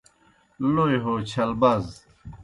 لوئی ہو چھل باز